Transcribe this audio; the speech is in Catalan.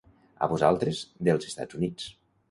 A vosaltres, dels Estats Units.